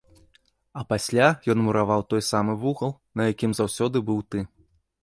А пасля ён мураваў той самы вугал, на якім заўсёды быў ты.